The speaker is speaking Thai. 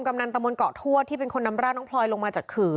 กำนานตมเกาะทัวจที่เป็นคนน้ำร่าน้องพลอยลงมาจากขือ